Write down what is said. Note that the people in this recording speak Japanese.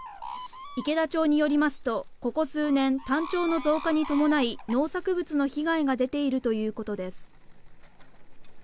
池田町によりますとここ数年タンチョウの増加に伴い農作物の被害が出ているということです。